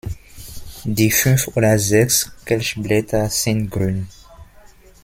Die fünf oder sechs Kelchblätter sind grün.